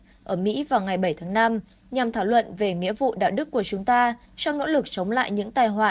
ở mỹ vào ngày bảy tháng năm nhằm thảo luận về nghĩa vụ đạo đức của chúng ta trong nỗ lực chống lại những tài